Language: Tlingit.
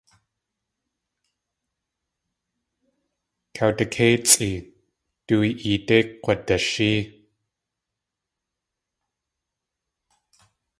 Kawdakéitsʼi, du eedé kk̲wadashée.